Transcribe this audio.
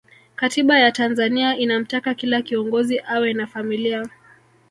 katiba ya tanzania inamtaka kila kiongozi awe na familia